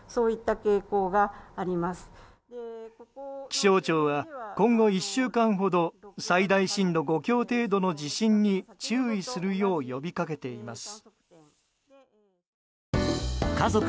気象庁は今後１週間ほど最大震度５強程度の地震に注意するよう呼びかけています。